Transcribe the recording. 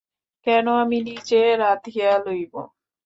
কেন, আমি নিজে রাঁধিয়া লইব।